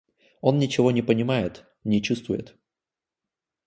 Он ничего не понимает, не чувствует.